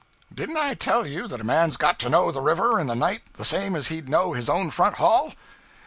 Didn't I tell you that a man's got to know the river in the night the same as he'd know his own front hall?'